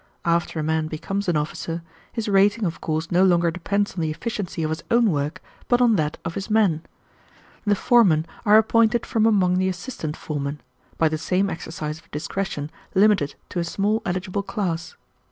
After a man becomes an officer, his rating of course no longer depends on the efficiency of his own work, but on that of his men. The foremen are appointed from among the assistant foremen, by the same exercise of discretion limited to a small eligible class.